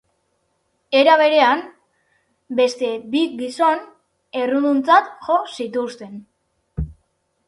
Era berean, beste bi gizon erruduntzat jo zituzten.